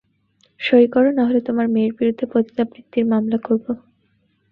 সই করো নাহলে তোমার মেয়ের বিরুদ্ধে পতিতাবৃত্তির মামলা করব।